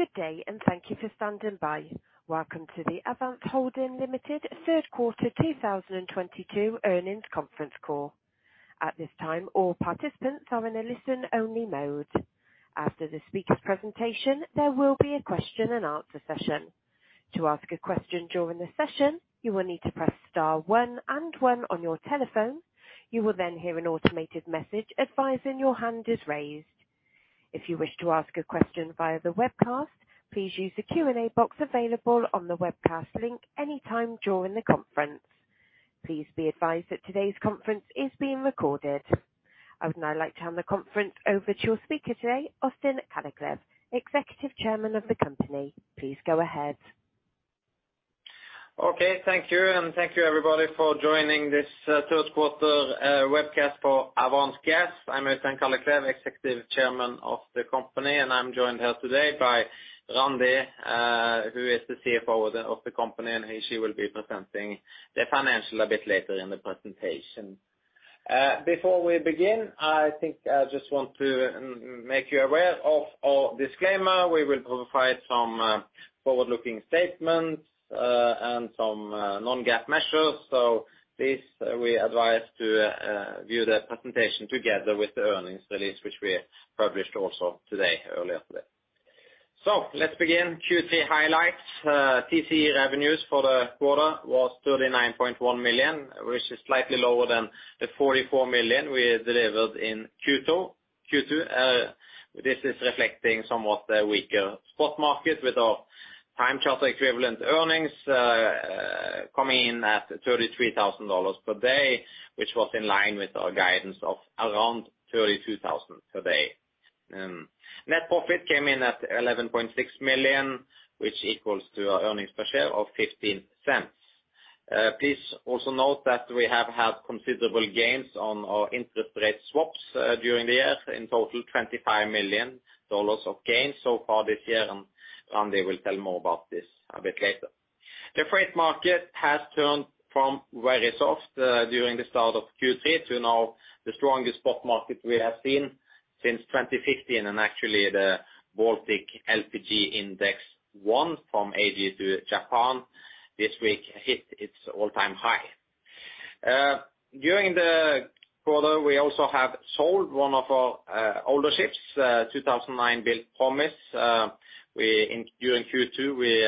Good day. Thank you for standing by. Welcome to the Avance Gas Holding Ltd third quarter 2022 earnings conference call. At this time, all participants are in a listen-only mode. After the speaker presentation, there will be a question and answer session. To ask a question during the session, you will need to press star one and one on your telephone. You will hear an automated message advising your hand is raised. If you wish to ask a question via the webcast, please use the Q&A box available on the webcast link any time during the conference. Please be advised that today's conference is being recorded. I would now like to turn the conference over to your speaker today, Øystein Kalleklev, Executive Chairman of the company. Please go ahead. Okay, thank you. Thank you everybody for joining this, third quarter webcast for Avance Gas. I'm Øystein Kalleklev, Executive Chairman of the company, and I'm joined here today by Randi, who is the CFO of the company, and she will be presenting the financial a bit later in the presentation. Before we begin, I think I just want to make you aware of our disclaimer. We will provide some forward-looking statements and some non-GAAP measures. Please, we advise to view the presentation together with the earnings release, which we published also today, earlier today. Let's begin. Q3 highlights. TCE revenues for the quarter was $39.1 million, which is slightly lower than the $44 million we delivered in Q2. This is reflecting somewhat the weaker spot market with our time charter equivalent earnings coming in at $33,000 per day, which was in line with our guidance of around $32,000 per day. Net profit came in at $11.6 million, which equals to our earnings per share of $0.15. Please also note that we have had considerable gains on our interest rate swaps during the year, in total $25 million of gains so far this year, and Randi will tell more about this a bit later. The freight market has turned from very soft during the start of Q3 to now the strongest spot market we have seen since 2015. Actually, the Baltic LPG Index 1 from Asia to Japan this week hit its all-time high. During the quarter, we also have sold one of our older ships, 2009-built Promise. In Q2, we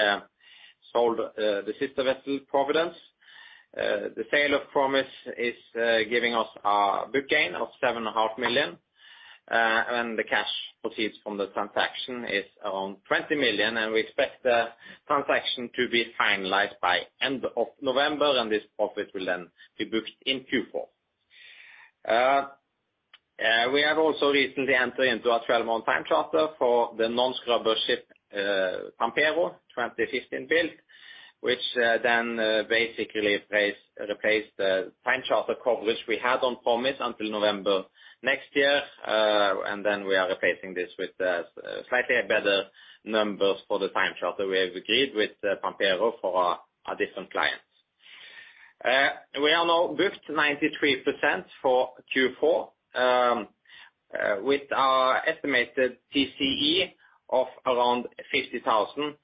sold the sister vessel Providence. The sale of Promise is giving us a book gain of $7.5 million. And the cash proceeds from the transaction is around $20 million, and we expect the transaction to be finalized by end of November, and this profit will then be booked in Q4. We have also recently entered into a 12-month time charter for the non-scrubber ship, Pampero, 2015 build, which then basically replace the time charter coverage we had on Promise until November next year. We are replacing this with slightly better numbers for the time charter we have agreed with Pampero for our different clients. We are now booked 93% for Q4 with our estimated TCE of around $50,000-$55,000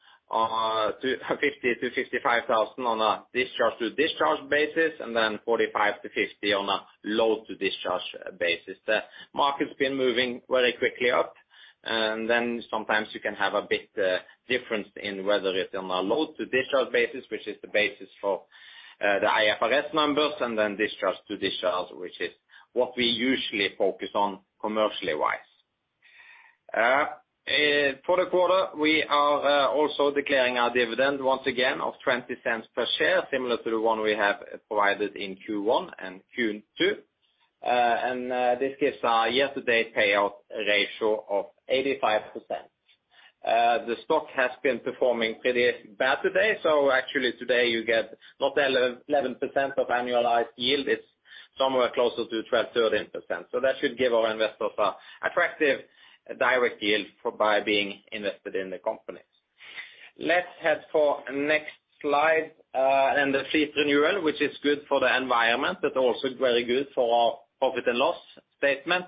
on a discharge-to-discharge basis and then $45,000-$50,000 on a load-to-discharge basis. The market's been moving very quickly up, sometimes you can have a bit difference in whether it's on a load-to-discharge basis, which is the basis for the IFRS numbers and then discharge-to-discharge, which is what we usually focus on commercially-wise. For the quarter, we are also declaring our dividend once again of $0.20 per share, similar to the one we have provided in Q1 and Q2. This gives our year-to-date payout ratio of 85%. The stock has been performing pretty bad today. Actually today you get not 11% of annualized yield. It's somewhere closer to 12%-13%. That should give our investors a attractive direct yield for by being invested in the company. Let's head for next slide. The fleet renewal, which is good for the environment. It's also very good for our profit and loss statement.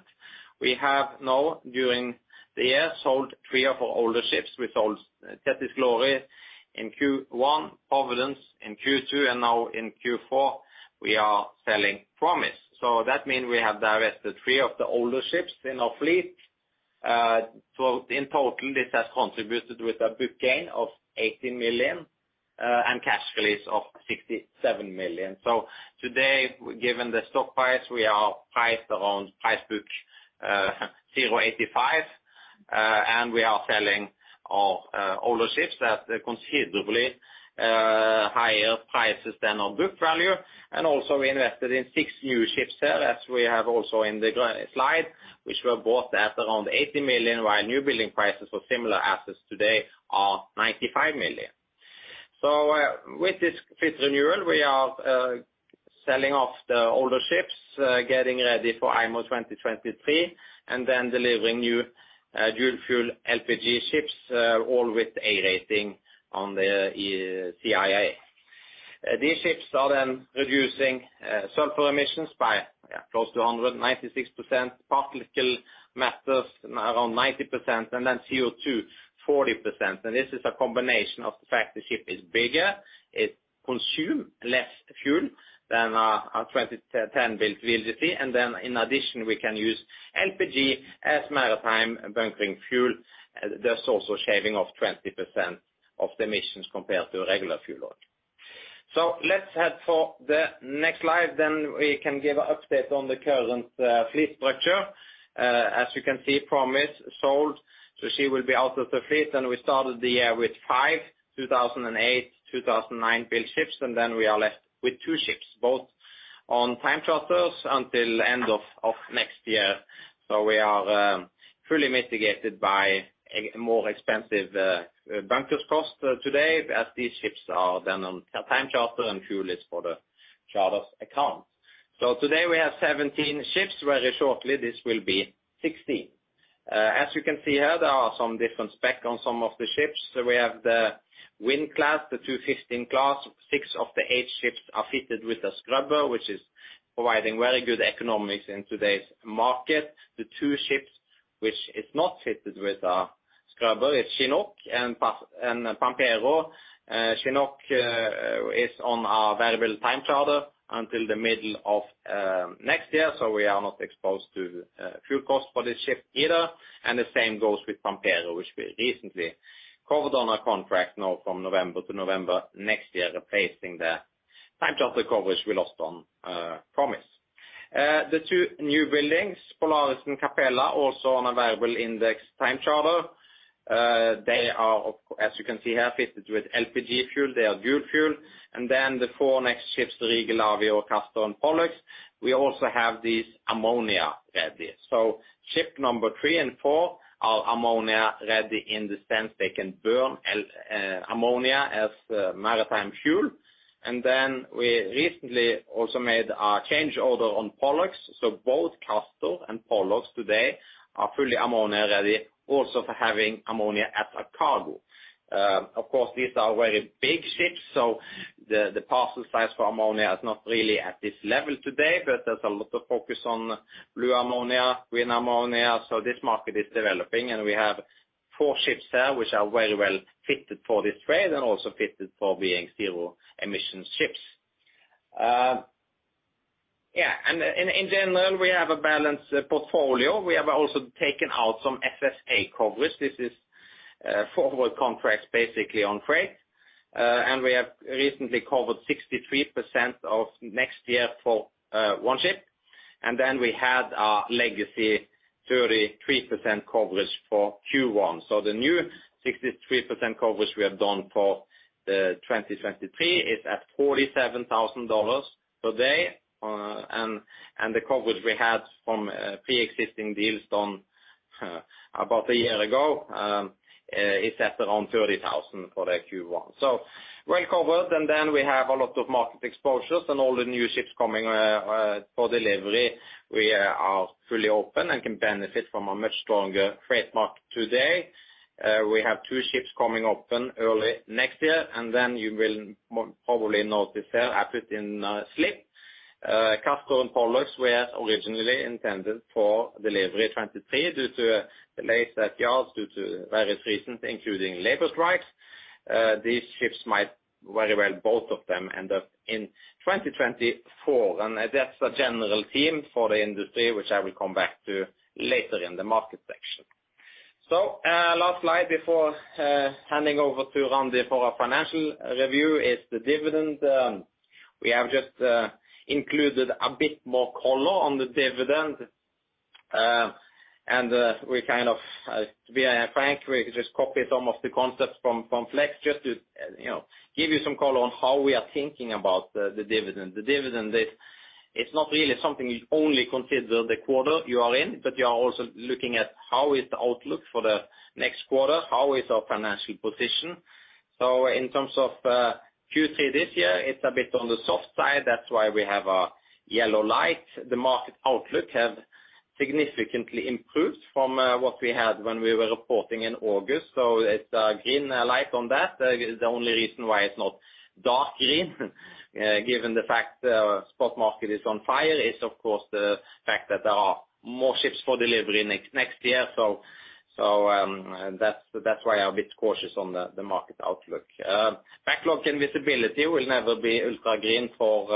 We have now, during the year, sold three of our older ships. We sold Thetis Glory in Q1, Providence in Q2, and now in Q4 we are selling Promise. That mean we have divested three of the older ships in our fleet. In total, this has contributed with a book gain of $80 million and cash release of $67 million. Today, given the stock price, we are priced around price book, 0.85. We are selling our older ships at considerably higher prices than our book value. Also we invested in six new ships there, as we have also in the slide, which were bought at around $80 million, while new building prices for similar assets today are $95 million. With this fleet renewal, we are selling off the older ships, getting ready for IMO 2023. Then delivering new dual-fuel LPG ships, all with A rating on the CII. These ships are reducing sulfur emissions by close to 196%, particle matters around 90%, and CO2 40%. This is a combination of the fact the ship is bigger, it consume less fuel than our 2010-built VLGC. In addition, we can use LPG as maritime bunkering fuel, thus also shaving off 20% of the emissions compared to a regular fuel oil. Let's head for the next slide, then we can give an update on the current fleet structure. As you can see, Promise sold, so she will be out of the fleet. We started the year with five, 2008, 2009-built ships, and then we are left with two ships, both on time charters until end of next year. We are fully mitigated by a more expensive bunkers cost today as these ships are then on a time charter and fuel is for the charter's account. Today we have 17 ships. Very shortly, this will be 16. As you can see here, there are some different spec on some of the ships. We have the Wind class, the 215 class. Six of the eight ships are fitted with a scrubber, which is providing very good economics in today's market. The two ships which is not fitted with a scrubber is Chinook and Pampero. Chinook is on our variable time charter until the middle of next year, so we are not exposed to fuel costs for this ship either. The same goes with Pampero, which we recently covered on a contract now from November to November next year, replacing the time charter coverage we lost on Promise. The two new buildings, Polaris and Capella, also on a variable index time charter. They are, as you can see here, fitted with LPG fuel. They are dual-fuel. The four next ships, Rigel, Avior, Castor, and Pollux, we also have these ammonia-ready. Ship number three and four are ammonia-ready in the sense they can burn ammonia as a maritime fuel. We recently also made a change order on Pollux. Both Castor and Pollux today are fully ammonia-ready also for having ammonia as a cargo. Of course, these are very big ships, the parcel size for ammonia is not really at this level today, but there's a lot of focus on blue ammonia, green ammonia. This market is developing, and we have four ships there which are very well fitted for this trade and also fitted for being zero emission ships. Yeah, in general, we have a balanced portfolio. We have also taken out some FSA coverage. This is forward contracts basically on freight. We have recently covered 63% of next year for one ship. Then we had our legacy 33% coverage for Q1. The new 63% coverage we have done for 2023 is at $47,000 per day. The coverage we had from preexisting deals done about a year ago is set around $30,000 for the Q1. Well covered, then we have a lot of market exposures and all the new ships coming for delivery. We are fully open and can benefit from a much stronger freight market today. We have two ships coming open early next year, and then you will probably notice there a bit in slip. Castor and Pollux were originally intended for delivery 2023 due to delays at yards due to various reasons, including labor strikes. These ships might very well both of them end up in 2024. That's a general theme for the industry, which I will come back to later in the market section. Last slide before handing over to Randi for our financial review is the dividend. We have just included a bit more color on the dividend. We kind of, to be frank, we just copied some of the concepts from Flex just to, you know, give you some color on how we are thinking about the dividend. The dividend is, it's not really something you only consider the quarter you are in, but you are also looking at how is the outlook for the next quarter, how is our financial position. In terms of Q3 this year, it's a bit on the soft side. That's why we have a yellow light. The market outlook have significantly improved from what we had when we were reporting in August. It's a green light on that. The only reason why it's not dark green, given the fact the spot market is on fire is of course the fact that there are more ships for delivery next year. That's why I'm a bit cautious on the market outlook. Backlog and visibility will never be ultra green for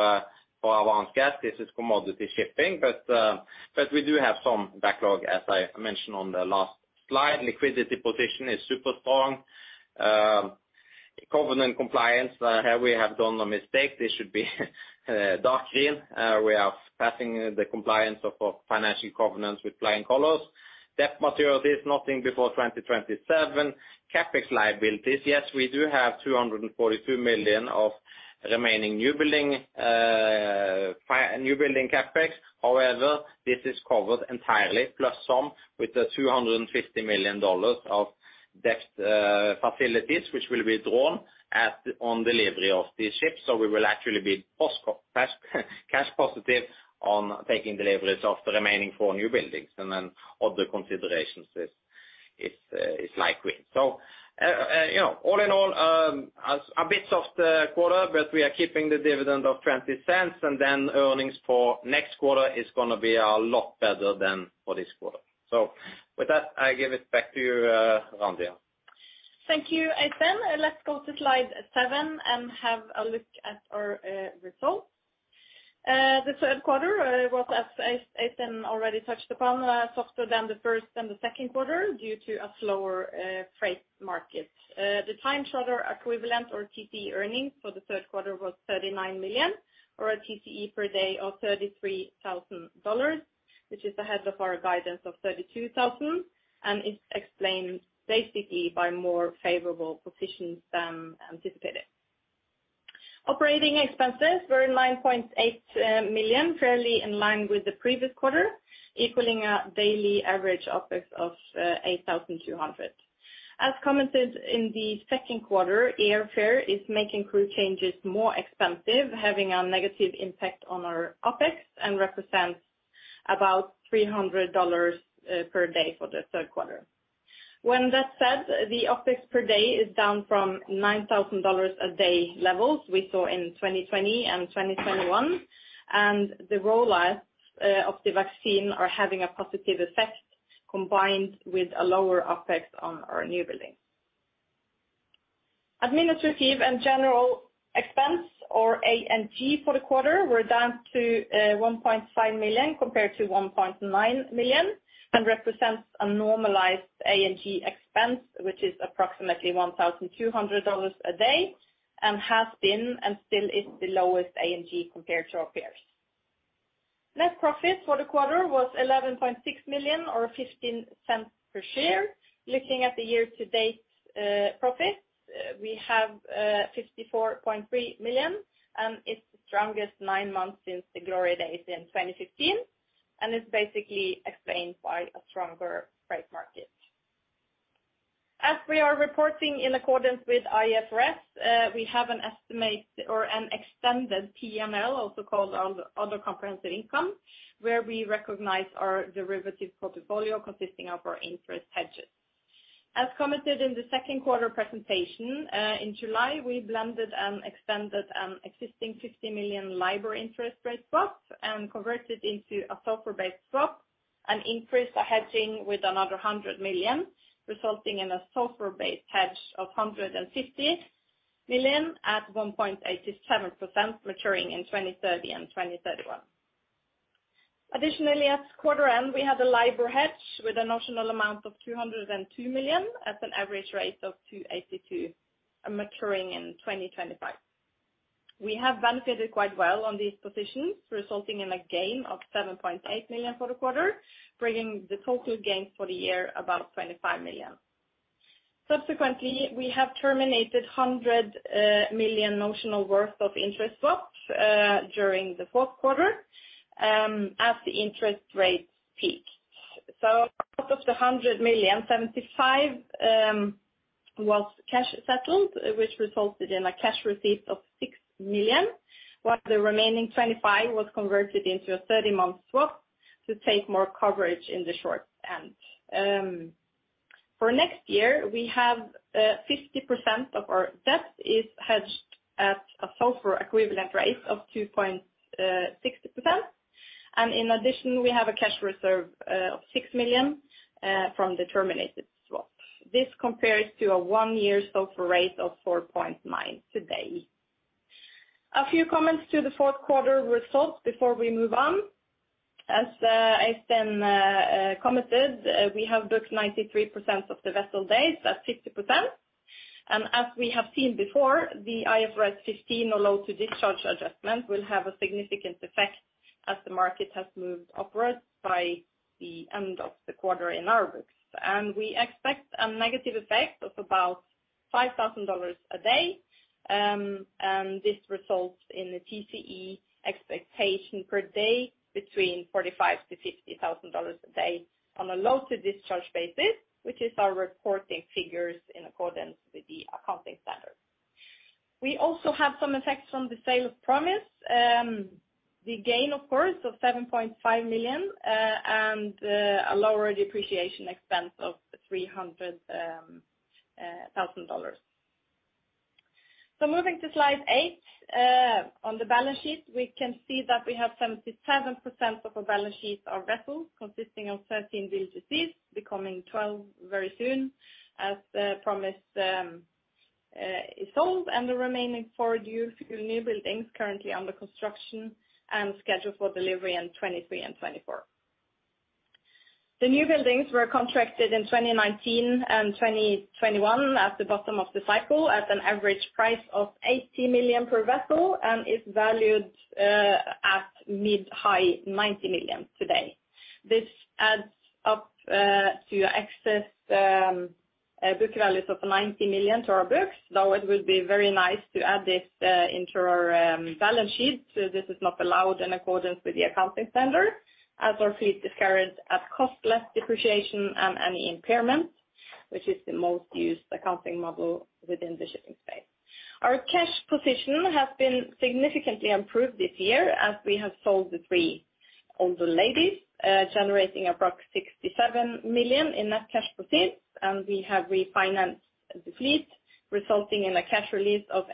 Avance Gas. This is commodity shipping. We do have some backlog, as I mentioned on the last slide. Liquidity position is super strong. Covenant compliance, here we have done a mistake. This should be dark green. We are passing the compliance of financial covenants with flying colors. Debt maturities, nothing before 2027. CapEx liabilities, yes, we do have $242 million of remaining new building CapEx. This is covered entirely plus some with the $250 million of debt facilities which will be drawn at on delivery of these ships. We will actually be cash positive on taking deliveries of the remaining four new buildings. Other considerations is like green. You know, all in all, a bit soft quarter. We are keeping the dividend of $0.20. Earnings for next quarter is gonna be a lot better than for this quarter. With that, I give it back to you, Randi. Thank you, Øystein. Let's go to slide seven and have a look at our results. The third quarter was, as Øystein already touched upon, softer than the first and the second quarter due to a slower freight market. The time charter equivalent or TCE earnings for the third quarter was $39 million, or a TCE per day of $33,000, which is ahead of our guidance of $32,000, and it's explained basically by more favorable positions than anticipated. Operating expenses were $9.8 million, fairly in line with the previous quarter, equaling a daily average OpEx of $8,200. As commented in the second quarter, airfare is making crew changes more expensive, having a negative impact on our OpEx and represents about $300 per day for the third quarter. The OpEx per day is down from $9,000 a day levels we saw in 2020 and 2021, and the rollout of the vaccine are having a positive effect combined with a lower OpEx on our new buildings. Administrative and general expense, or A&G, for the quarter were down to $1.5 million compared to $1.9 million and represents a normalized A&G expense, which is approximately $1,200 a day and has been and still is the lowest A&G compared to our peers. Net profit for the quarter was $11.6 million or $0.15 per share. Looking at the year-to-date profits, we have $54.3 million, and it's the strongest nine months since the glory days in 2015 and is basically explained by a stronger freight market. As we are reporting in accordance with IFRS, we have an estimate or an extended P&L, also called our other comprehensive income, where we recognize our derivative portfolio consisting of our interest hedges. As commented in the second quarter presentation, in July, we blended and extended an existing $50 million LIBOR interest rate swap and converted into a SOFR-based swap and increased the hedging with another $100 million, resulting in a SOFR-based hedge of $150 million at 1.87% maturing in 2030 and 2031. At quarter end, we had a LIBOR hedge with a notional amount of $202 million at an average rate of 2.82% maturing in 2025. We have benefited quite well on these positions, resulting in a gain of $7.8 million for the quarter, bringing the total gains for the year above $25 million. Subsequently, we have terminated $100 million notional worth of interest swaps during the fourth quarter as the interest rates peaked. Out of the $100 million, $75 million was cash settled, which resulted in a cash receipt of $6 million, while the remaining $25 million was converted into a 30-month swap to take more coverage in the short term. For next year, we have 50% of our debt is hedged at a SOFR equivalent rate of 2.60%. In addition, we have a cash reserve of $6 million from the terminated swap. This compares to a one-year SOFR rate of 4.9% today. A few comments to the fourth quarter results before we move on. As Øystein commented, we have booked 93% of the vessel days at 50%. As we have seen before, the IFRS 15 load-to-discharge adjustment will have a significant effect as the market has moved upward by the end of the quarter in our books. We expect a negative effect of about $5,000 a day, and this results in a TCE expectation per day between $45,000-$50,000 a day on a load-to-discharge basis, which is our reporting figures in accordance with the accounting standard. We also have some effects from the sale of Promise. The gain, of course, of $7.5 million and a lower depreciation expense of $300,000. Moving to slide eight. On the balance sheet, we can see that we have 77% of our balance sheet are vessels consisting of 13 VLGCs, becoming 12 very soon as Promise is sold, and the remaining four new buildings currently under construction and scheduled for delivery in 2023 and 2024. The new buildings were contracted in 2019 and 2021 at the bottom of the cycle at an average price of $80 million per vessel and is valued at mid-high $90 million today. This adds up to excess book values of $90 million to our books, though it will be very nice to add this into our balance sheet. This is not allowed in accordance with the accounting standard as our fleet is carried at cost less depreciation and any impairment, which is the most used accounting model within the shipping space. Our cash position has been significantly improved this year as we have sold the three older ladies, generating approx $67 million in net cash proceeds, and we have refinanced the fleet, resulting in a cash release of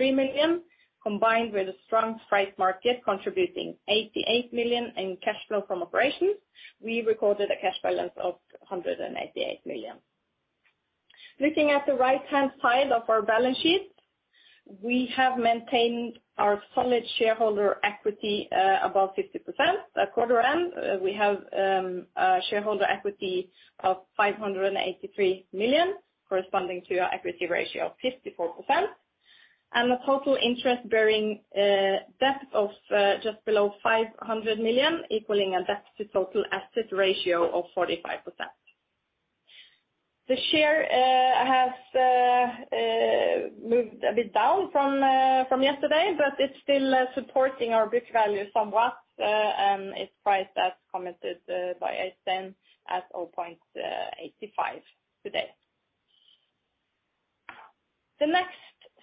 $83 million, combined with a strong freight market contributing $88 million in cash flow from operations. We recorded a cash balance of $188 million. Looking at the right-hand side of our balance sheet, we have maintained our solid shareholder equity, above 50% at quarter end. We have a shareholder equity of $583 million, corresponding to our equity ratio of 54%, and a total interest-bearing debt of just below $500 million, equaling a debt-to-total asset ratio of 45%. The share has moved a bit down from yesterday, but it's still supporting our book value somewhat, and it's priced as commented by Øystein at 0.85 today. The next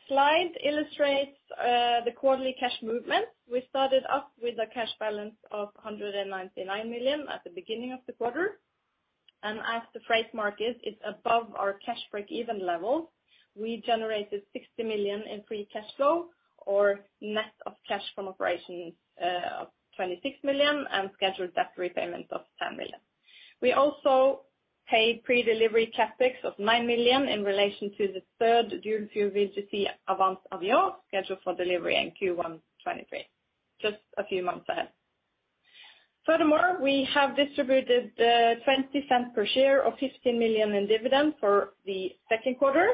slide illustrates the quarterly cash movement. We started off with a cash balance of $199 million at the beginning of the quarter, and as the freight market is above our cash break-even level, we generated $60 million in free cash flow or net of cash from operations of $26 million and scheduled debt repayment of $10 million. We also paid pre-delivery CapEx of $9 million in relation to the third dual-fuel VLGC Avance Avior, scheduled for delivery in Q1 2023, just a few months ahead. We have distributed $0.20 per share of $15 million in dividends for the second quarter.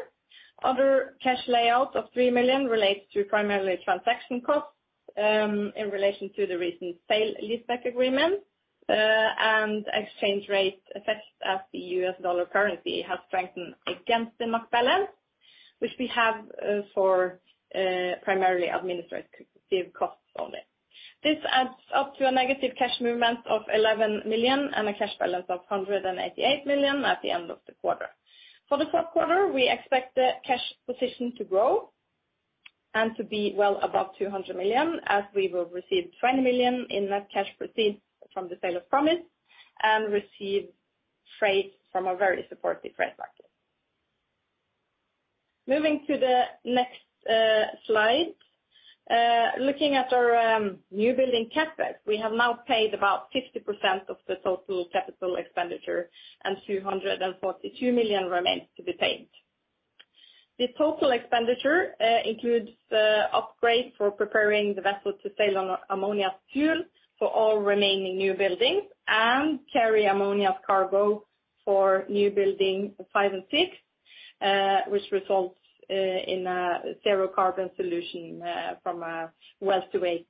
Other cash layout of $3 million relates to primarily transaction costs in relation to the recent sale-leaseback agreement and exchange rate effects as the U.S. dollar currency has strengthened against the NOK balance, which we have for primarily administrative costs only. This adds up to a negative cash movement of $11 million and a cash balance of $188 million at the end of the quarter. For the fourth quarter, we expect the cash position to grow and to be well above $200 million, as we will receive $20 million in net cash proceeds from the sale of Promise and receive freight from a very supportive freight market. Moving to the next slide, looking at our newbuilding CapEx, we have now paid about 50% of the total capital expenditure, and $242 million remains to be paid. The total expenditure includes upgrade for preparing the vessel to sail on ammonia fuel for all remaining newbuildings and carry ammonia cargo for newbuilding 5 and 6, which results in a zero carbon solution from a well-to-wake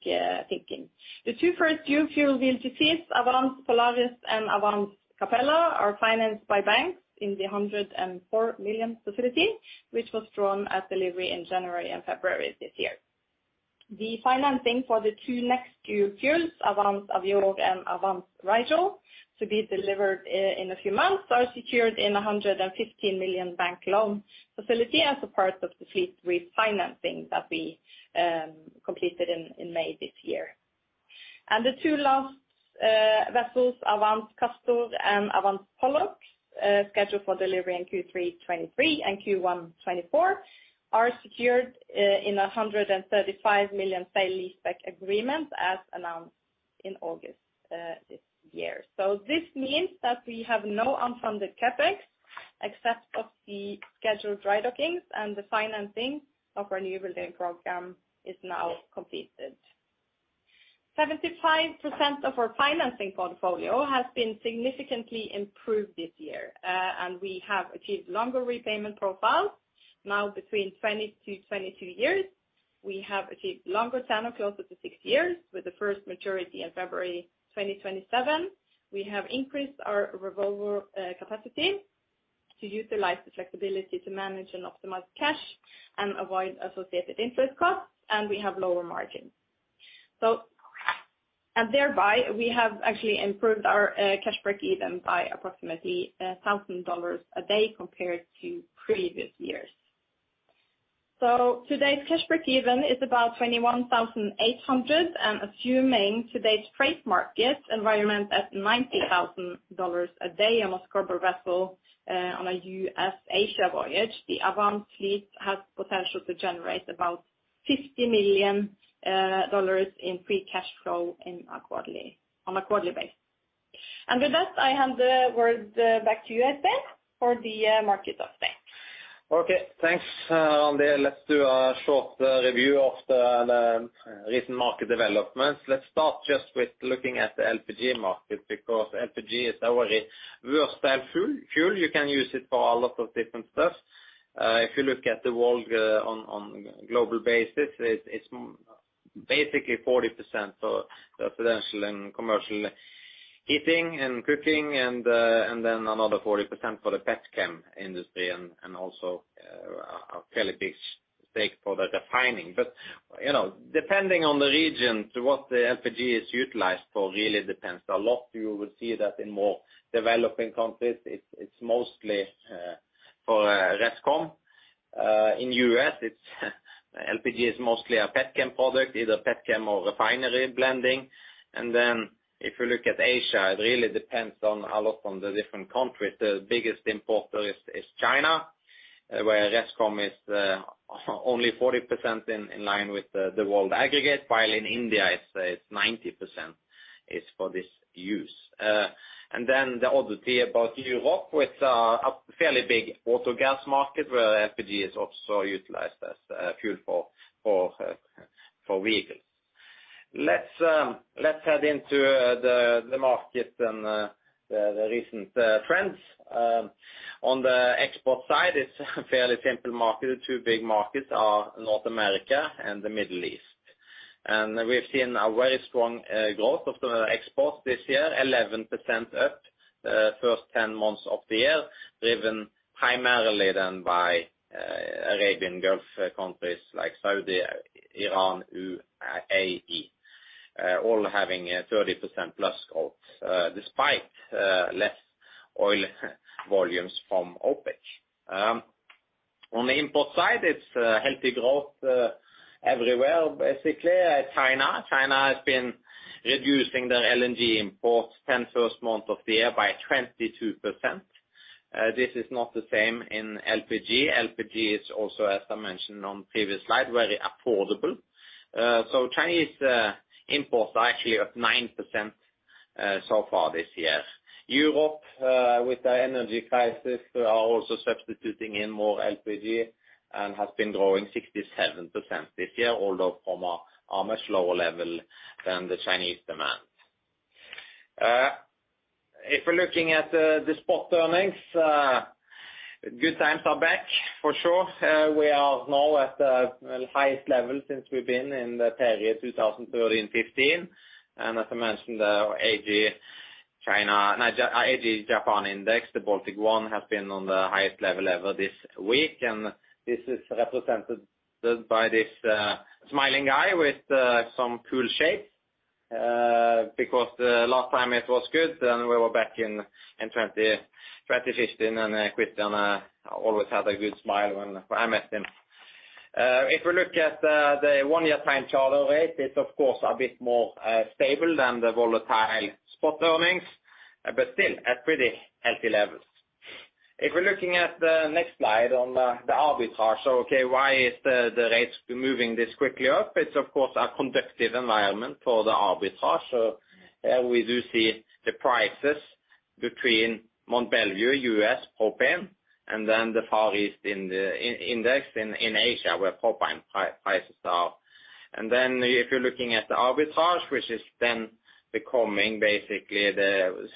thinking. The two first dual-fuel VLGCs, Avance Polaris and Avance Capella, are financed by banks in the $104 million facility, which was drawn at delivery in January and February this year. The financing for the two next dual fuels, Avance Avior and Avance Rigel, to be delivered in a few months, are secured in a $115 million bank loan facility as a part of the fleet refinancing that we completed in May this year. The two last vessels, Avance Castor and Avance Pollux, scheduled for delivery in Q3 2023 and Q1 2024, are secured in a $135 million sale-leaseback agreement as announced in August this year. This means that we have no unfunded CapEx except of the scheduled dry dockings and the financing of our newbuilding program is now completed. 75% of our financing portfolio has been significantly improved this year, and we have achieved longer repayment profiles now between 20-22 years. We have achieved longer tenors close to six years with the first maturity in February 2027. We have increased our revolver capacity to utilize the flexibility to manage and optimize cash and avoid associated interest costs, and we have lower margins. Thereby, we have actually improved our cash break even by approximately $1,000 a day compared to previous years. Today's cash break even is about $21,800, and assuming today's freight market environment at $90,000 a day on a spot vessel, on a U.S.-Asia voyage, the Avance fleet has potential to generate about $50 million in free cash flow on a quarterly basis. With that, I hand the word back to you, Øystein, for the market update. Okay. Thanks, Randi. Let's do a short review of the recent market developments. Let's start just with looking at the LPG market because LPG is our versatile fuel. You can use it for a lot of different stuff. If you look at the world on global basis, it's basically 40% for the residential and commercial heating and cooking and then another 40% for the petchem industry and also a fairly big stake for the refining. You know, depending on the region to what the LPG is utilized for really depends a lot. You will see that in more developing countries it's mostly for ResCom. In U.S. it's LPG is mostly a petchem product, either petchem or refinery blending. If you look at Asia, it really depends on a lot on the different countries. The biggest importer is China, where ResCom is only 40% in line with the world aggregate, while in India it's 90% is for this use. The other thing about Europe with a fairly big autogas market where LPG is also utilized as fuel for vehicles. Let's head into the market and the recent trends. On the export side, it's a fairly simple market. The two big markets are North America and the Middle East. We've seen a very strong growth of the exports this year, 11% up, first 10 months of the year, driven primarily then by Arabian Gulf countries like Saudi Arabia, Iran, UAE, all having a 30%+ growth, despite less oil volumes from OPEC. On the import side, it's healthy growth everywhere, basically. China has been reducing their LNG imports first 10 months of the year by 22%. This is not the same in LPG. LPG is also, as I mentioned on previous slide, very affordable. Chinese imports are actually up 9% so far this year. Europe, with the energy crisis are also substituting in more LPG and has been growing 67% this year, although from a much lower level than the Chinese demand. If we're looking at the spot earnings, good times are back for sure. We are now at the highest level since we've been in the period 2013, 2015. As I mentioned, AG Japan index, the Baltic 1 has been on the highest level ever this week. This is represented by this smiling guy with some cool shades, because the last time it was good, and we were back in 2015, and Christian always had a good smile when I met him. If we look at the one-year time charter rate, it's of course a bit more stable than the volatile spot earnings, but still at pretty healthy levels. If we're looking at the next slide on the arbitrage. Okay, why is the rates moving this quickly up? It's of course a conducive environment for the arbitrage. Here we do see the prices between Mont Belvieu, U.S. propane, and the Far East in the index in Asia, where propane prices are. If you're looking at the arbitrage, which is then becoming basically the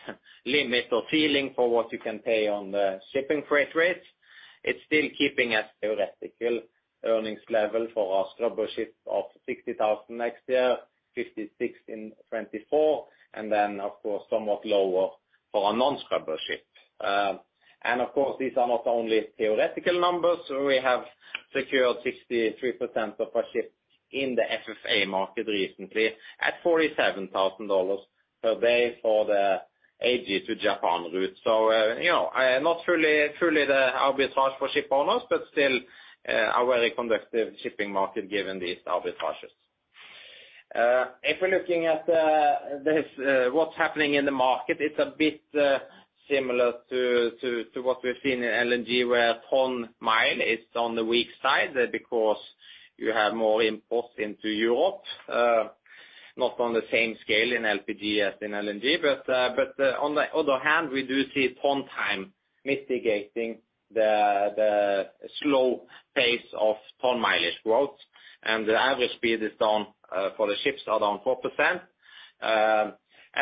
limit or ceiling for what you can pay on the shipping freight rates, it's still keeping a theoretical earnings level for our scrubber ships of $60,000 next year, $56,000 in 2024, of course, somewhat lower for our non-scrubber ships. Of course, these are not only theoretical numbers. We have secured 63% of our ships in the FFA market recently at $47,000 per day for the AG-Japan route. You know, not truly the arbitrage for shipowners, but still a very conducive shipping market given these arbitrages. If we're looking at this, what's happening in the market, it's a bit similar to what we've seen in LNG, where ton-mile is on the weak side because you have more imports into Europe, not on the same scale in LPG as in LNG. On the other hand, we do see ton-time mitigating the slow pace of ton-mileage growth. The average speed is down, for the ships are down 4%.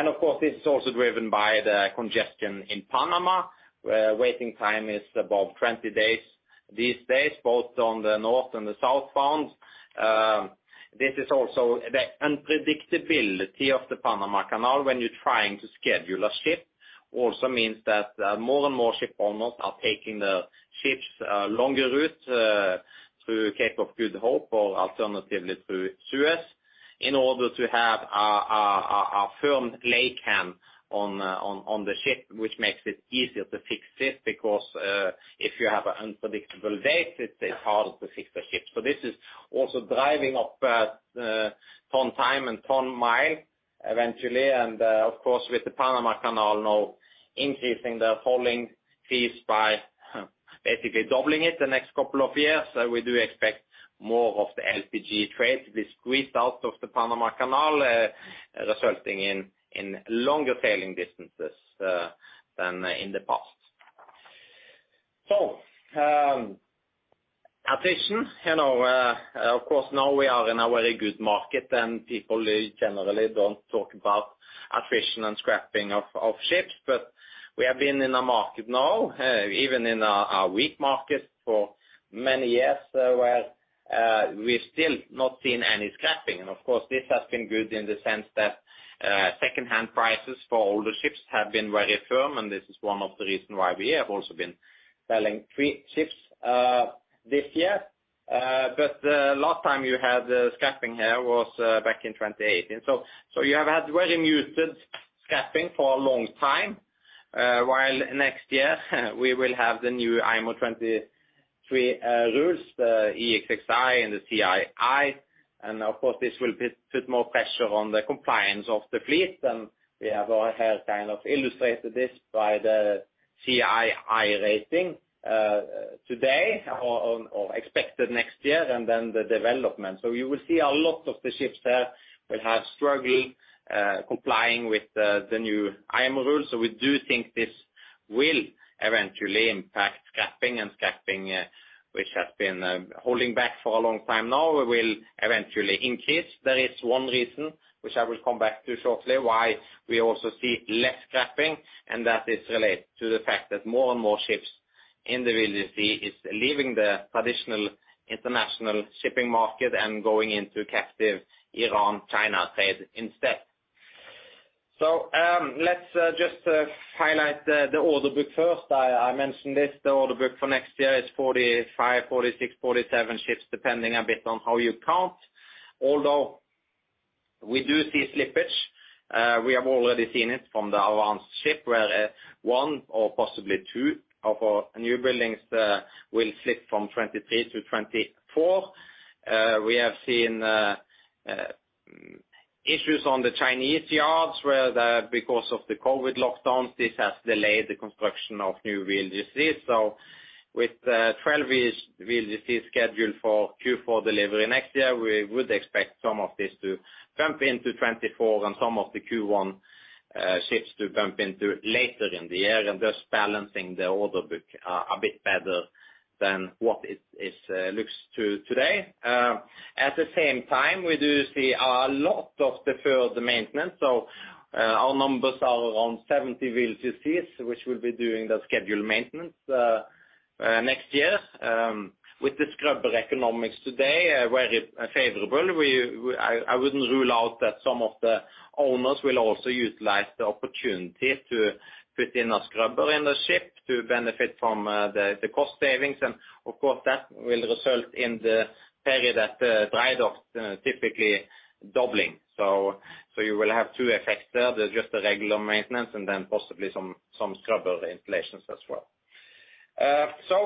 Of course, this is also driven by the congestion in Panama, where waiting time is above 20 days these days, both on the north and the south bounds. This is also the unpredictability of the Panama Canal when you're trying to schedule a ship also means that more and more shipowners are taking the ships longer route through Cape of Good Hope or alternatively through Suez in order to have a firm leg hem on the ship, which makes it easier to fix this because if you have an unpredictable date, it's hard to fix the ships. This is also driving up ton-time and ton-mile eventually. Of course, with the Panama Canal now increasing their hauling fees by basically doubling it the next couple of years, we do expect more of the LPG trade to be squeezed out of the Panama Canal, resulting in longer sailing distances than in the past. Attrition, you know, of course, now we are in a very good market, and people generally don't talk about attrition and scrapping of ships. We have been in a market now, even in a weak market for many years, where we've still not seen any scrapping. Of course, this has been good in the sense that secondhand prices for older ships have been very firm, and this is one of the reason why we have also been selling three ships this year. Last time you had scrapping here was back in 2018. You have had very muted scrapping for a long time. While next year we will have the new IMO 2023 rules, the EEXI and the CII. Of course, this will put more pressure on the compliance of the fleet than we have all have kind of illustrated this by the CII rating today or expected next year, and then the development. You will see a lot of the ships there will have struggle complying with the new IMO rules. We do think this will eventually impact scrapping and scrapping, which has been holding back for a long time now, will eventually increase. There is one reason, which I will come back to shortly, why we also see less scrapping, and that is related to the fact that more and more ships in the VLGC is leaving the traditional international shipping market and going into captive Iran-China trade instead. Let's just highlight the order book first. I mentioned this, the order book for next year is 45, 46, 47 ships, depending a bit on how you count. We do see slippage, we have already seen it from the Avance ship where one or possibly two of our new buildings will slip from 2023 to 2024. We have seen issues on the Chinese yards where because of the COVID lockdowns, this has delayed the construction of new VLGCs. With the 12 VLGCs scheduled for Q4 delivery next year, we would expect some of this to bump into 2024 and some of the Q1 ships to bump into later in the year and just balancing the order book a bit better than what it looks today. At the same time, we do see a lot of deferred maintenance, our numbers are around 70 VLGCs which will be doing the scheduled maintenance next year. With the scrubber economics today, very favorable, we wouldn't rule out that some of the owners will also utilize the opportunity to put in a scrubber in the ship to benefit from the cost savings. That will result in the period at the drydock typically doubling. You will have two effects there. There's just the regular maintenance and then possibly some scrubber installations as well.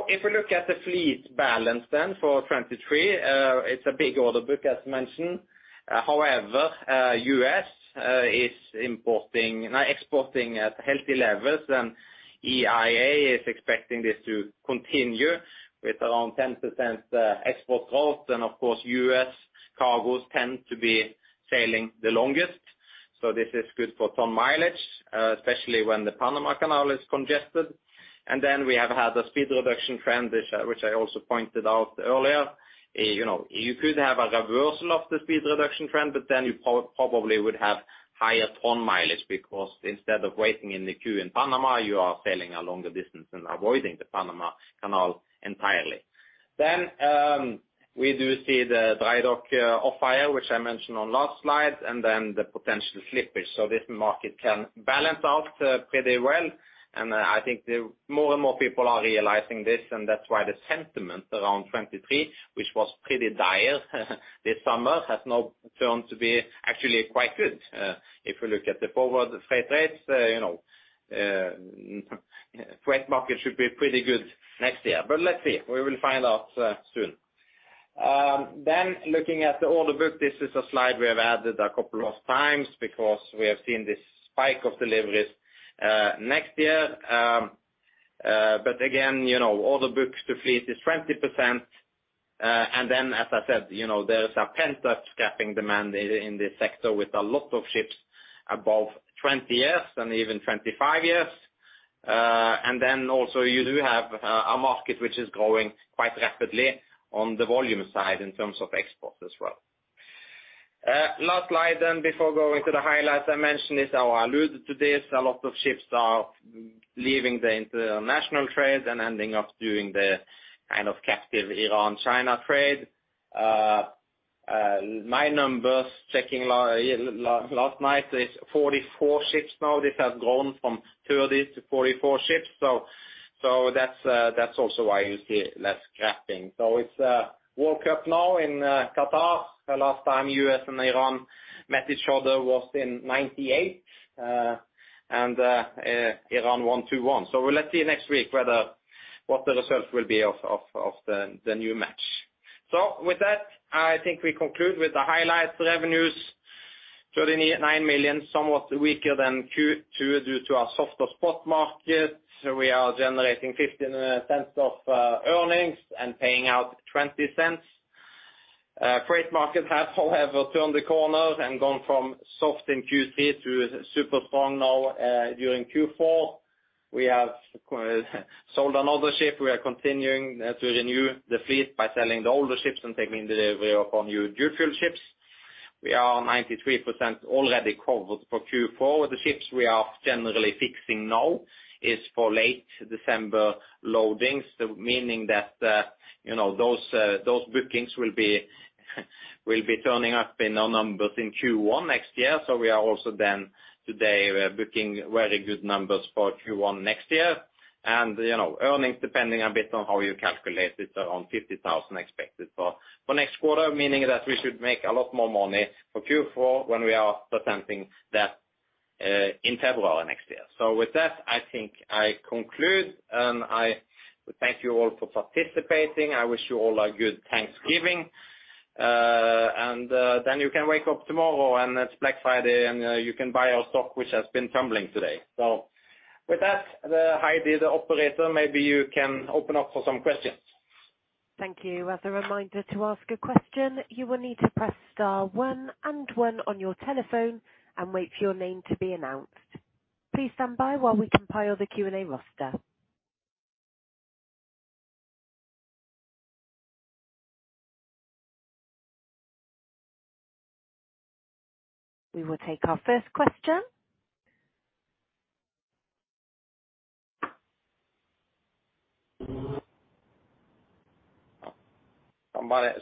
If we look at the fleet balance for 2023, it's a big order book as mentioned. U.S. is exporting at healthy levels, EIA is expecting this to continue with around 10% export growth. Of course, U.S. cargoes tend to be sailing the longest. This is good for ton mileage, especially when the Panama Canal is congested. We have had a speed reduction trend which I also pointed out earlier. You know, you could have a reversal of the speed reduction trend, you probably would have higher ton mileage because instead of waiting in the queue in Panama, you are sailing a longer distance and avoiding the Panama Canal entirely. We do see the drydock off-hire, which I mentioned on last slide, the potential slippage. This market can balance out pretty well. I think the more and more people are realizing this, and that's why the sentiment around 2023, which was pretty dire this summer, has now turned to be actually quite good. If we look at the forward freight rates, you know, freight market should be pretty good next year. But let's see. We will find out soon. Looking at the order book, this is a slide we have added a couple of times because we have seen this spike of deliveries next year. But again, you know, order book to fleet is 20%. Then as I said, you know, there is a pent-up scrapping demand in this sector with a lot of ships above 20 years and even 25 years. Then also you do have a market which is growing quite rapidly on the volume side in terms of exports as well. Last slide then before going to the highlights I mentioned is, I alluded to this, a lot of ships are leaving the international trade and ending up doing the kind of captive Iran-China trade. My numbers checking last night is 44 ships now. This has grown from 30 to 44 ships. That's also why you see less scrapping. It's World Cup now in Qatar. The last time U.S. and Iran met each other was in 98, and Iran won 2-1. Let's see next week whether what the results will be of the new match. With that, I think we conclude with the highlights revenues, $39 million, somewhat weaker than Q2 due to our softer spot market. We are generating $0.15 of earnings and paying out $0.20. Freight market has however turned the corner and gone from soft in Q3 to super strong now during Q4. We have sold another ship. We are continuing to renew the fleet by selling the older ships and taking delivery of our new dual-fuel ships. We are 93% already covered for Q4. The ships we are generally fixing now is for late December loadings, meaning that, you know, those bookings will be, will be turning up in our numbers in Q1 next year. We are also then today we are booking very good numbers for Q1 next year. You know, earnings depending a bit on how you calculate it, around $50,000 expected for next quarter, meaning that we should make a lot more money for Q4 when we are presenting that in February next year. With that, I think I conclude, and I thank you all for participating. I wish you all a good Thanksgiving. And then you can wake up tomorrow, and it's Black Friday, and you can buy our stock, which has been tumbling today. With that, Heidi, the operator, maybe you can open up for some questions. Thank you. As a reminder to ask a question, you will need to press star one and one on your telephone and wait for your name to be announced. Please stand by while we compile the Q&A roster. We will take our first question.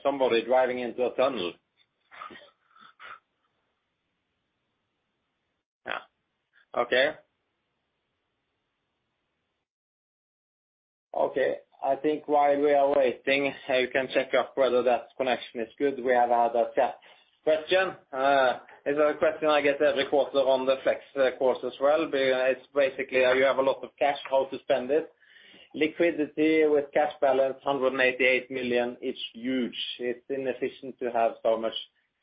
Somebody driving into a tunnel. Yeah. Okay. Okay. I think while we are waiting, you can check out whether that connection is good. We have had a chat. Question. It's a question I get every quarter on the flex course as well. It's basically, you have a lot of cash, how to spend it. Liquidity with cash balance, $188 million is huge. It's inefficient to have so much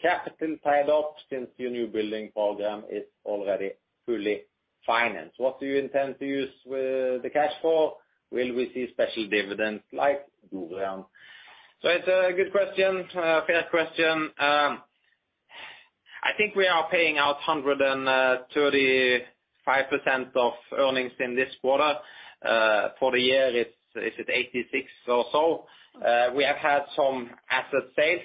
capital tied up since your new building program is already fully financed. What do you intend to use the cash for? Will we see special dividends like Dorian? It's a good question, fair question. I think we are paying out 135% of earnings in this quarter. For the year, it's, is it 86 or so. We have had some asset sales,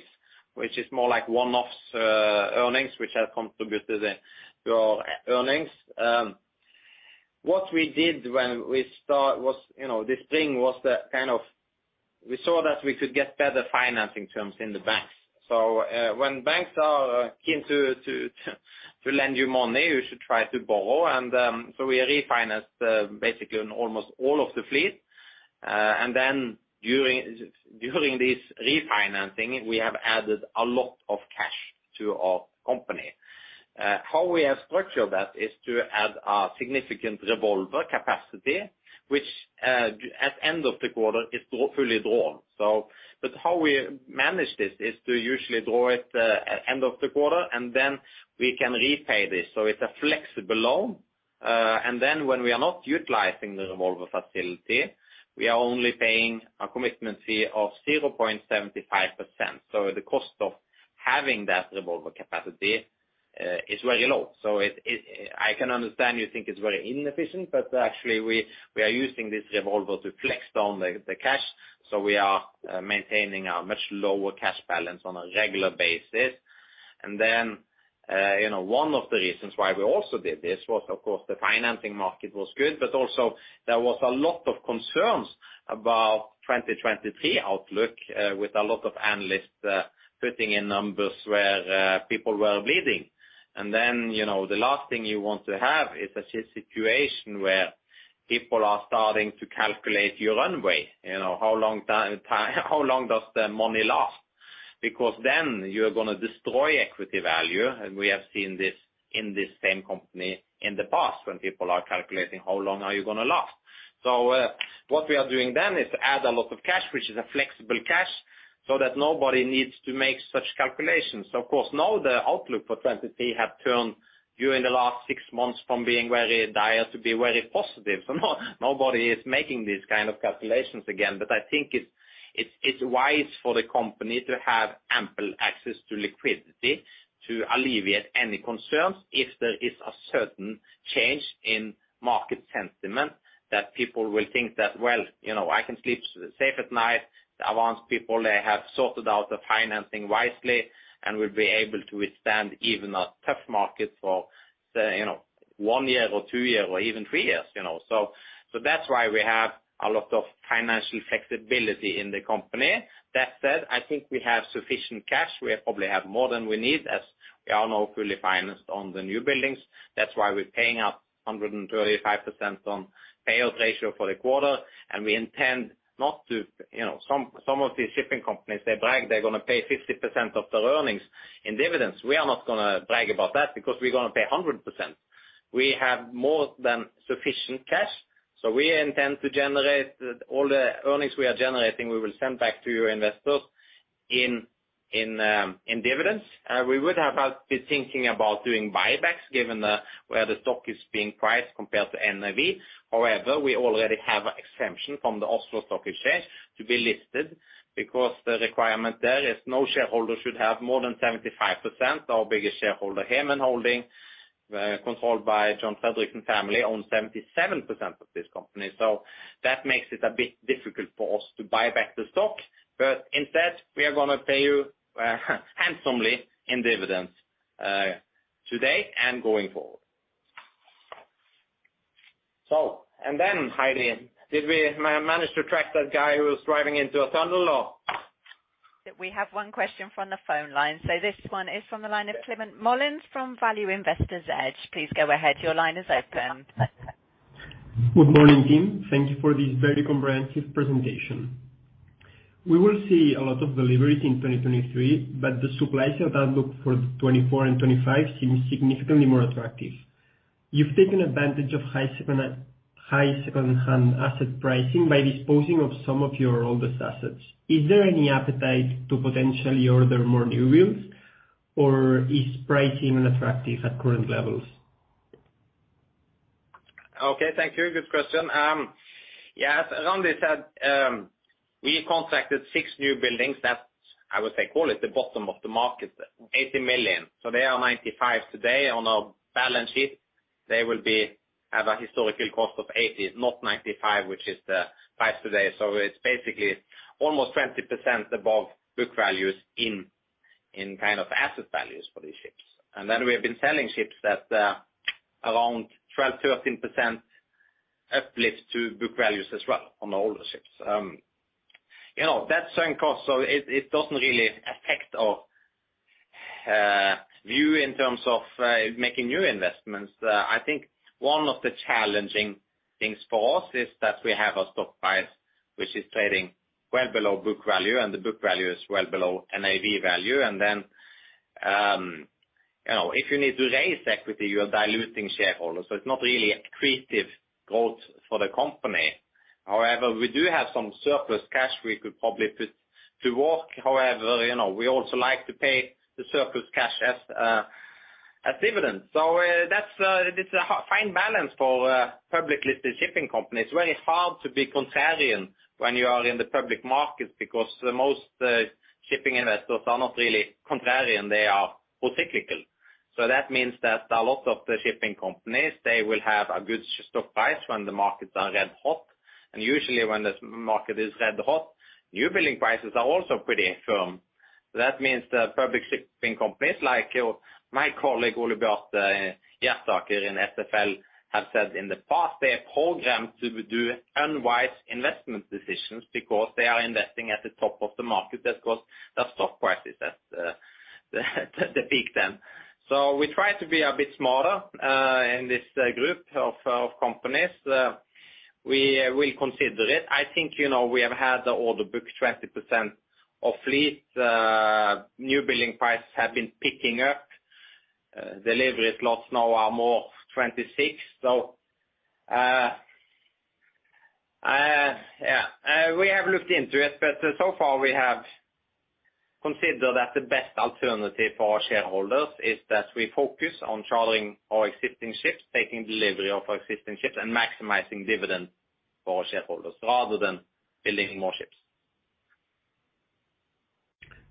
which is more like one-offs, earnings, which have contributed to our earnings. What we did when we start was, you know, this thing was that kind of we saw that we could get better financing terms in the banks. When banks are keen to lend you money, you should try to borrow. We refinanced basically on almost all of the fleet. During this refinancing, we have added a lot of cash to our company. How we have structured that is to add a significant revolver capacity, which at end of the quarter is fully drawn. How we manage this is to usually draw it at end of the quarter, we can repay this. It's a flexible loan. When we are not utilizing the revolver facility, we are only paying a commitment fee of 0.75%. The cost of having that revolver capacity is very low. I can understand you think it's very inefficient, but actually, we are using this revolver to flex down the cash. We are maintaining a much lower cash balance on a regular basis. You know, one of the reasons why we also did this was, of course, the financing market was good, but also there was a lot of concerns about 2023 outlook with a lot of analysts putting in numbers where people were leading. You know, the last thing you want to have is a situation where people are starting to calculate your runway. You know, how long how long does the money last? Because then you're gonna destroy equity value. We have seen this in this same company in the past when people are calculating how long are you gonna last. What we are doing then is add a lot of cash, which is a flexible cash, so that nobody needs to make such calculations. Of course, now the outlook for 2023 have turned during the last six months from being very dire to be very positive. Nobody is making these kind of calculations again. I think it's wise for the company to have ample access to liquidity to alleviate any concerns if there is a certain change in market sentiment that people will think that, well, you know, I can sleep safe at night. The Avance people, they have sorted out the financing wisely and will be able to withstand even a tough market for, you know, one year or two year or even three years, you know. So that's why we have a lot of financial flexibility in the company. That said, I think we have sufficient cash. We probably have more than we need, as we are now fully financed on the new buildings. That's why we're paying out 135% on payout ratio for the quarter. We intend not to, you know, some of these shipping companies, they brag they're gonna pay 50% of their earnings in dividends. We are not gonna brag about that because we're gonna pay 100%. We have more than sufficient cash, we intend to generate all the earnings we are generating, we will send back to you investors in dividends. We would have been thinking about doing buybacks given where the stock is being priced compared to NAV. However, we already have exemption from the Oslo Stock Exchange to be listed because the requirement there is no shareholder should have more than 75%. Our biggest shareholder, Hemen Holding, controlled by John Fredriksen family, owns 77% of this company. That makes it a bit difficult for us to buy back the stock. Instead, we are gonna pay you handsomely in dividends today and going forward. Heidi, did we manage to track that guy who was driving into a tunnel or? We have one question from the phone line. This one is from the line of Climent Molins from Value Investor's Edge. Please go ahead. Your line is open. Good morning, team. Thank you for this very comprehensive presentation. We will see a lot of delivery in 2023, but the supply side outlook for 2024 and 2025 seems significantly more attractive. You've taken advantage of high second-hand asset pricing by disposing of some of your oldest assets. Is there any appetite to potentially order more new builds? Is pricing unattractive at current levels? Okay, thank you. Good question. Yes, Randi said, we contracted six newbuildings. That's, I would say, call it the bottom of the market, $80 million. They are $95 million today. On our balance sheet, they will be at a historical cost of $80 million, not $95 million, which is the price today. It's basically almost 20% above book values in kind of asset values for these ships. Then we have been selling ships that, around 12%-13% uplift to book values as well on the older ships. You know, that's same cost. It doesn't really affect our view in terms of making new investments. I think one of the challenging things for us is that we have a stock price which is trading well below book value, and the book value is well below NAV value. Then, you know, if you need to raise equity, you are diluting shareholders. It's not really accretive growth for the company. However, we do have some surplus cash we could probably put to work. However, you know, we also like to pay the surplus cash as dividends. That's a fine balance for publicly listed shipping companies. It's very hard to be contrarian when you are in the public market because most shipping investors are not really contrarian. They are procyclical. That means that a lot of the shipping companies, they will have a good stock price when the markets are red hot. Usually when the market is red hot, new building prices are also pretty firm. That means the public shipping companies, like my colleague Ole B. Hjertaker in SFL, have said in the past, they are programmed to do unwise investment decisions because they are investing at the top of the market. Of course, the stock price is at the peak then. We try to be a bit smarter in this group of companies. We will consider it. I think, you know, we have had the order book 20% of fleet. Newbuilding prices have been picking up. Delivery slots now are more 2026. Yeah, we have looked into it, but so far we have considered that the best alternative for our shareholders is that we focus on chartering our existing ships, taking delivery of our existing ships and maximizing dividends for our shareholders rather than building more ships.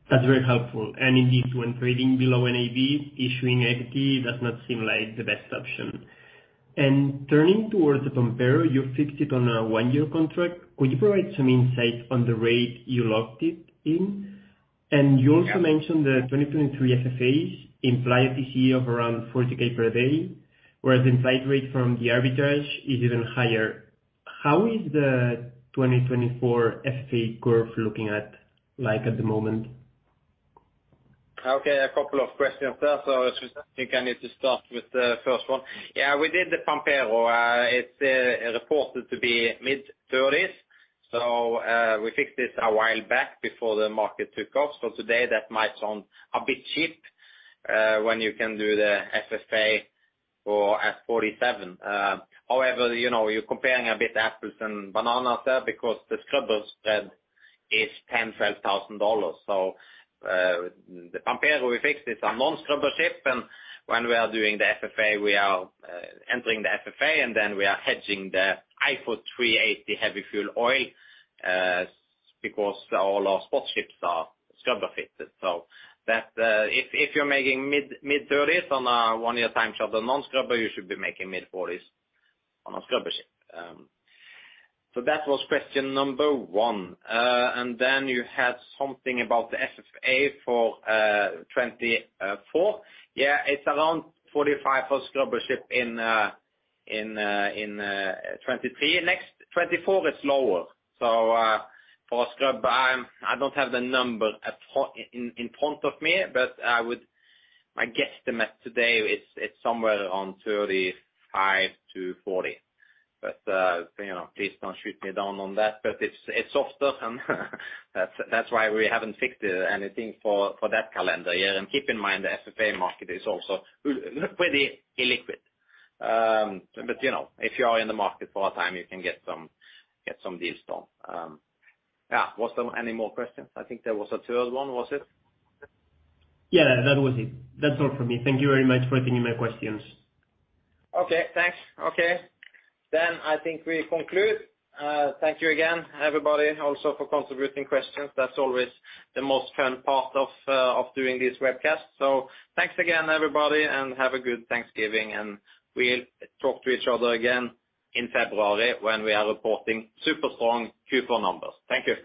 That's very helpful. Indeed, when trading below NAV, issuing equity does not seem like the best option. Turning towards the Pampero, you fixed it on a one-year contract. Could you provide some insight on the rate you locked it in? You also mentioned the 2023 FFAs imply a TCE of around $40,000 per day, whereas the implied rate from the arbitrage is even higher. How is the 2024 FFA curve looking at, like at the moment? Okay, a couple of questions there. I think I need to start with the first one. Yeah, we did the Pampero. It's reported to be mid-$30,000. We fixed this a while back before the market took off. Today that might sound a bit cheap when you can do the FFA for, at $47,000. However, you know, you're comparing a bit apples and bananas there because the scrubber spread is $10,000-$12,000. The Pampero we fixed is a non-scrubber ship, and when we are doing the FFA, we are entering the FFA, and then we are hedging the IFO 380 heavy fuel oil because all our spot ships are scrubber fitted. If you're making mid-$30,000 on a one-year time shot of the non-scrubber, you should be making mid-$40,000 on a scrubber ship. That was question number one. You had something about the FFA for 2024. Yeah, it's around $45,000 for a scrubber ship in 2023. 2024 is lower. For a scrubber, I don't have the number in front of me, but my guesstimate today is it's somewhere around $35,000-$40,000. You know, please don't shoot me down on that. It's softer and that's why we haven't fixed anything for that calendar year. Keep in mind, the FFA market is also pretty illiquid. You know, if you are in the market for a time, you can get some deals done. Was there any more questions? I think there was a third one. Was it? That was it. That's all from me. Thank you very much for taking my questions. Okay, thanks. Okay. I think we conclude. Thank you again, everybody also for contributing questions. That's always the most fun part of doing these webcasts. Thanks again, everybody, and have a good Thanksgiving, and we'll talk to each other again in February when we are reporting super strong Q4 numbers. Thank you.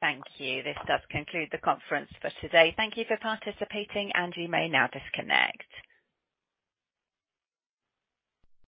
Thank you. This does conclude the conference for today. Thank you for participating, and you may now disconnect.